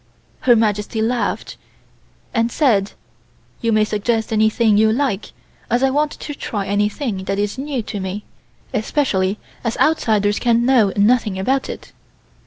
Her Majesty laughed, and said: "You may suggest anything you like, as I want to try anything that is new to me, especially as outsiders can know nothing about it."